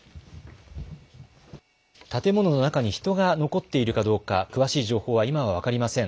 建物の中に人が残っているかどうか詳しい情報は今は分かりません。